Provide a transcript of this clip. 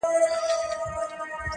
مینه که وي جرم قاسم یار یې پرستش کوي,